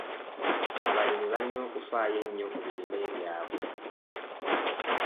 Abalimi balina okufaayo ennyo ku birime byabwe.